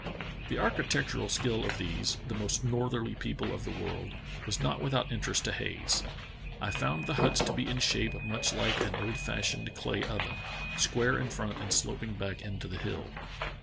The architectural skill of these, the most northerly people of the world, was not without interest to Hayes. I found the huts to be in shape much like an old fashioned clay oven, square in front and sloping back into the hill.